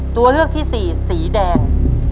ตัวเลือกที่สี่สีแดง